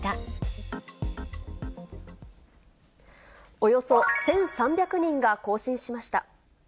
およそ１３００人が行進しました。